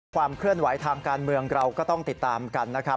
ความเคลื่อนไหวทางการเมืองเราก็ต้องติดตามกันนะครับ